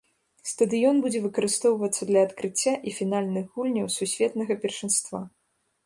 Стадыён будзе выкарыстоўвацца для адкрыцця і фінальных гульняў сусветнага першынства.